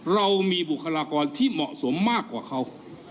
เรามีบุคลากรที่เหมาะสมมากกว่าเขา